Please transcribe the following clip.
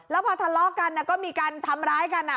แล้วพอทะเลาะกันก็มีการทำร้ายกัน